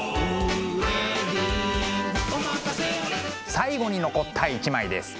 最後に残った一枚です。